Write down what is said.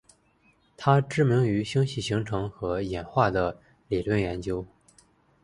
她知名于星系形成和演化的理论研究。